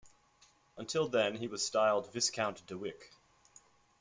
Until then he was styled Viscount Dawick.